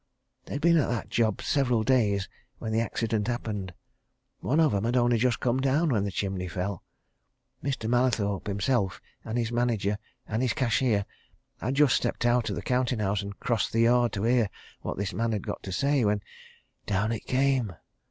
They'd been at the job several days when the accident happened. One of 'em had only just come down when the chimney fell. Mr. Mallathorpe, himself, and his manager, and his cashier, had just stepped out of the counting house and crossed the yard to hear what this man had got to say when down it came!